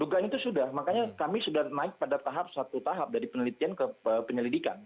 dugaan itu sudah makanya kami sudah naik pada tahap satu tahap dari penelitian ke penyelidikan